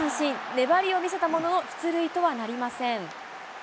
粘りを見せたものの、出塁とはなりません。